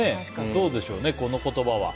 どうでしょうね、この言葉は。